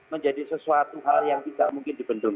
menjadi sesuatu hal yang tidak mungkin dibendung